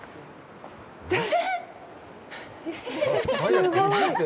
すごい。